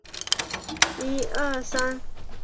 是莘莘学子成才的理想之地。